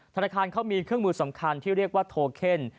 ธนาคารเขามีเครื่องมือสำคัญที่เรียกว่าโทเคน